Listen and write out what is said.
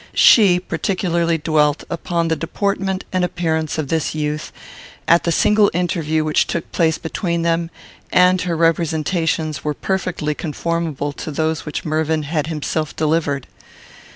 She particularly dwelt upon the deportment and appearance of this youth, at the single interview which took place between them, and her representations were perfectly conformable to those which Mervyn had himself delivered.